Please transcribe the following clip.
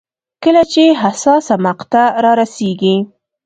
کله چې حساسه مقطعه رارسېږي.